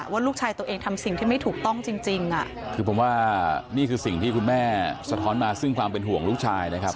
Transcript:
ว่าลูกชายตัวเองทำสิ่งที่ไม่ถูกต้องจริงจริงอ่ะคือผมว่านี่คือสิ่งที่คุณแม่สะท้อนมาซึ่งความเป็นห่วงลูกชายนะครับ